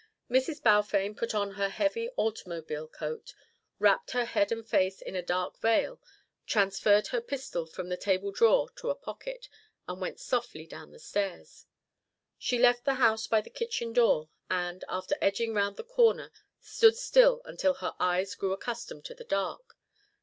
Mrs. Balfame put on her heavy automobile coat, wrapped her head and face in a dark veil, transferred her pistol from the table drawer to a pocket, and went softly down the stairs. She left the house by the kitchen door, and, after edging round the corner stood still until her eyes grew accustomed to the dark.